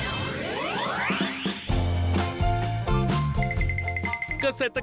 กระต่ายน่ารักเหล่านี้ไม่ได้เลี้ยงไว้ดูแล้วเล่นนะครับ